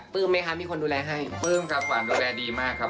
ปื้มไหมคะไม่มีคนดูแลให้ปื้มครับว่าดูแลดีมากครับ